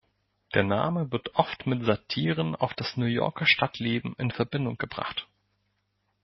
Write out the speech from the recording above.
Der Name wird oft mit Satiren auf das New Yorker Stadtleben in Verbindung gebracht.